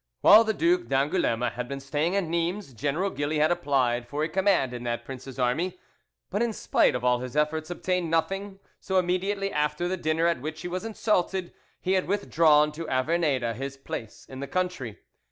While the Duc d'Angouleme had been staying at Nimes, General Gilly had applied for a command in that prince's army, but in spite of all his efforts obtained nothing; so immediately after the dinner at which he was insulted he had withdrawn to Avernede, his place in the country.